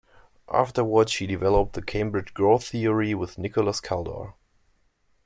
Afterwards she developed the Cambridge growth theory with Nicholas Kaldor.